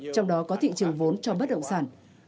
trong đó có thị trường vốn cho bất động sản